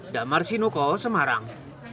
damar sinuko semarang